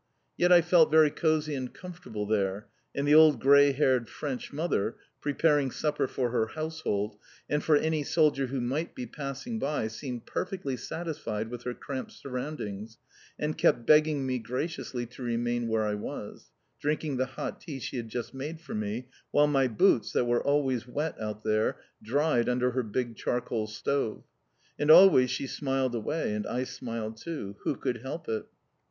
Yet I felt very cosy and comfortable there, and the old grey haired French mother, preparing supper for her household, and for any soldier who might be passing by, seemed perfectly satisfied with her cramped surroundings, and kept begging me graciously to remain where I was, drinking the hot tea she had just made for me, while my boots (that were always wet out there) dried under her big charcoal stove. And always she smiled away; and I smiled too. Who could help it?